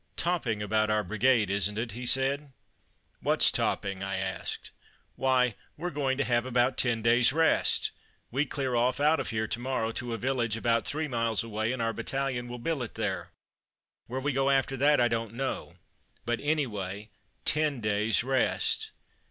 "Topping about our brigade, isn't it?" he said. "What's topping?" I asked. "Why, we're going to have about ten day's rest; we clear off out of here to morrow to a village about three miles away, and our battalion will billet there. Where we go after that I don't know; but, anyway, ten days' rest.